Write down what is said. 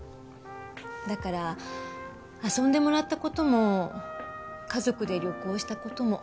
だから遊んでもらった事も家族で旅行した事も。